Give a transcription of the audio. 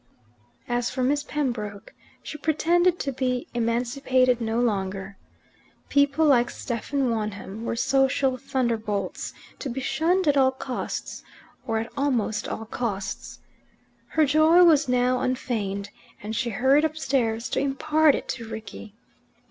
As for Miss Pembroke, she pretended to be emancipated no longer. People like "Stephen Wonham" were social thunderbolts, to be shunned at all costs, or at almost all costs. Her joy was now unfeigned, and she hurried upstairs to impart it to Rickie.